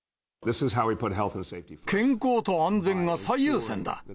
健康と安全が最優先だ。